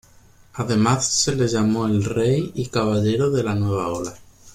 Además se le llamo el Rey y Caballero de la Nueva Ola.